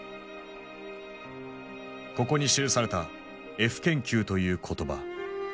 ここに記された「Ｆ研究」という言葉。